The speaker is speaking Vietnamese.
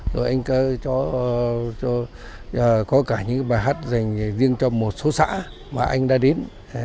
rồi anh cho có cả những bài hát dành riêng cho một số xã mà anh đã đến